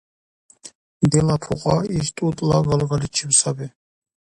Дила пукьа иш тӀутӀила галгаличиб саби.